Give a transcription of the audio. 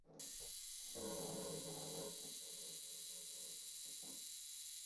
为现任台湾女科技人学会副理事长。